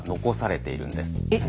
えっ？